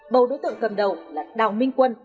bầu đối tượng cầm đầu là đào minh quân